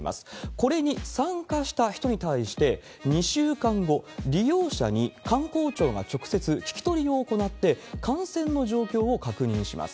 これに参加した人に対して、２週間後、利用者に観光庁が直接聞き取りを行って、感染の状況を確認します。